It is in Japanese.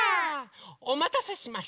おまたせしました。